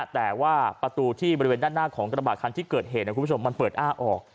แต่ว่าประตูที่บริเวณด้านหน้าของกระบาดคันที่เกิดเหตุคุณผู้ชมมันเปิดอ้าออก